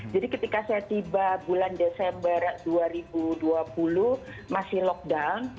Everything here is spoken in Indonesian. jadi ketika saya tiba bulan desember dua ribu dua puluh masih lockdown